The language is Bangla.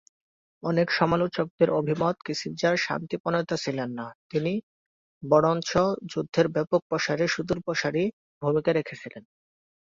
অনেক সমালোচকদের অভিমত, কিসিঞ্জার শান্তি প্রণেতা ছিলেন না; বরঞ্চ যুদ্ধের ব্যাপক প্রসারে সুদূরপ্রসারী ভূমিকা রেখেছিলেন।